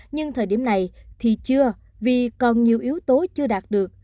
nhưng thời điểm này thì chưa vì còn nhiều yếu tố chưa đạt được